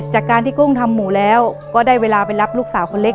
เช้าก็ได้เวลาไปรับลูกสาวคนเล็ก